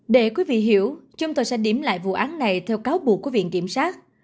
để quý vị hiểu chúng tôi sẽ điểm lại vụ án này theo cáo buộc của viện kiểm sát